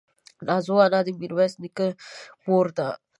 نازو انا دې ميرويس خان نيکه مور ده.